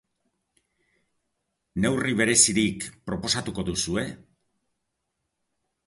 Neurri berezirik proposatuko duzue?